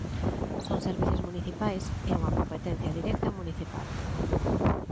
Son servizos municipais, é unha competencia directa municipal.